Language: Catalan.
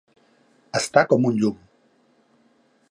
Està com un llum.